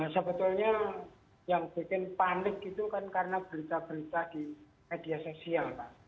sebetulnya yang bikin panik itu kan karena berita berita di media sosial pak